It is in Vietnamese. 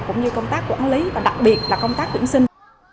cũng như công tác quản lý và đặc biệt là công tác tuyển sinh